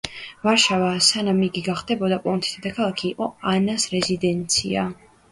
ვარშავა, სანამ იგი გახდებოდა პოლონეთის დედაქალაქი, იყო ანას რეზიდენცია.